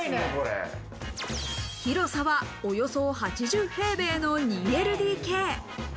広さは、およそ８０平米の２ＬＤＫ。